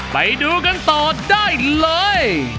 ไปดูกันต่อได้เลย